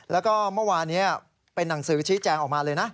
และมันว่านี้เป็นนังสือชิ้นแจ้งออกมาเลยนะ